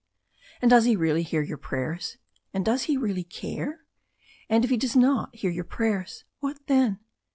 And does he really hear your prayers, and does he really care? And if he does not hear your prayers, what then?